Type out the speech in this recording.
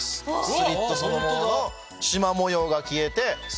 スリットそのもののしま模様が消えて線。